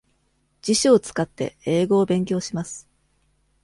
辞書を使って、英語を勉強します。